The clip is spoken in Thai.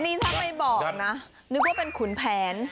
นี่ถ้าไม่บอกนะนึกว่าเป็นขุนแผน